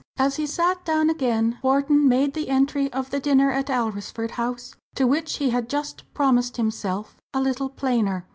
As he sat down again, Wharton made the entry of the dinner at Alresford House, to which he had just promised himself, a little plainer.